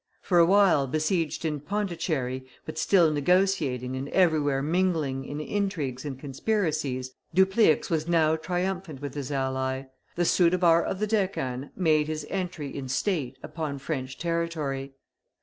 For a while besieged in Pondicherry, but still negotiating and everywhere mingling in intrigues and conspiracies, Dupleix was now triumphant with his ally; the Soudhabar of the Deccan made his entry in state upon French territory.